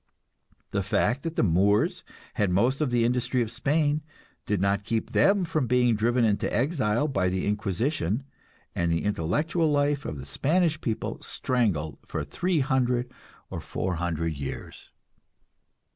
The fact that the Moors had most of the industry of Spain did not keep them from being driven into exile by the Inquisition, and the intellectual life of the Spanish people strangled for three hundred or four hundred years.